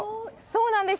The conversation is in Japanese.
そうなんです。